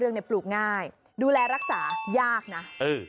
ดอกใหญ่ขายอยู่ที่ราคาดอกละ๒บาท